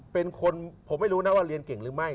เป็นคนผมไม่รู้นะว่าเรียนเก่งหรือไม่